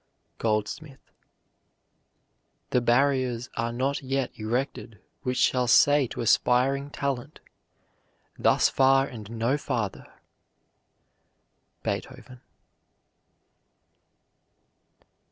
GOLDSMITH. The barriers are not yet erected which shall say to aspiring talent, "Thus far and no farther." BEETHOVEN.